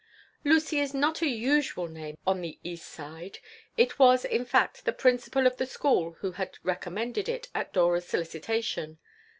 Lucy is not a usual name on the East Side. It was, in fact, the principal of the school who had recommended it, at Dora's solicitation.